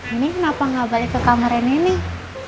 ini kenapa gak balik ke kamarnya neneng